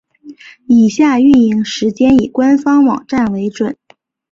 以下营运时间以官方网站为准。